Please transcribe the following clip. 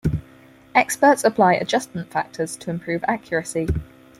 Experts apply adjustment factors to improve accuracy.